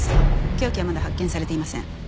凶器はまだ発見されていません。